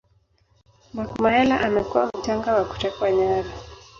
Mark Mahela amekuwa mhanga wa kutekwa nyara